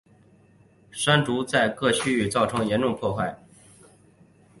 山竹在各区造成严重破坏。